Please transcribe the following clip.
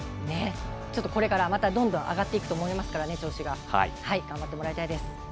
これからどんどん調子が上がっていくと思いますから頑張ってもらいたいです。